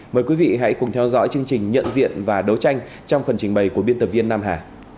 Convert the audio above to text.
mời quý vị hãy cùng theo dõi chương trình nhận diện và đấu tranh trong phần trình bày của biên tập viên nam hà